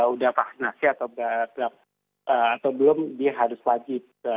sudah vaksinasi atau belum dia harus wajib